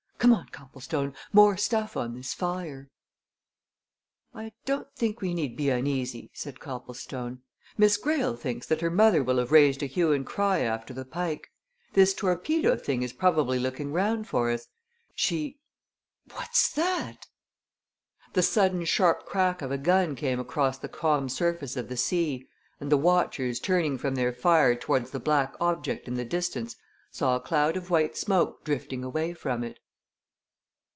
Come on, Copplestone more stuff on this fire!" "I don't think we need be uneasy," said Copplestone. "Miss Greyle thinks that her mother will have raised a hue and cry after the Pike. This torpedo thing is probably looking round for us. She what's that?" The sudden sharp crack of a gun came across the calm surface of the sea, and the watchers turning from their fire towards the black object in the distance saw a cloud of white smoke drifting away from it.